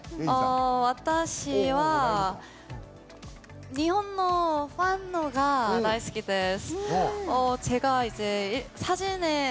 私は日本のファンが大好きです。